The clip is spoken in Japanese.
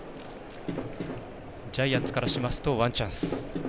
ジャイアンツからしますとワンチャンス。